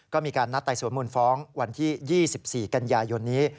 ก็มีการนัดไต่สวนมูลฟ้องวันที่๒๔กันยายนนี้